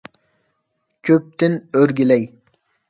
«كۆپ»تىن ئۆرگىلەي!